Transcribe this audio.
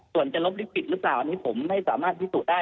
ส่วนจะลบลิปปิดหรือเปล่าอันนี้ผมไม่สามารถพิสูจน์ได้